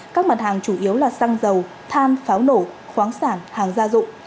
các mặt hàng chủ yếu là xăng dầu than pháo nổ khoáng sản hàng gia dụng